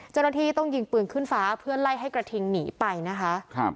เจ้าหน้าที่ต้องยิงปืนขึ้นฟ้าเพื่อไล่ให้กระทิงหนีไปนะคะ